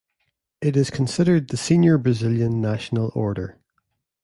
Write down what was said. It is considered the senior Brazilian National Order.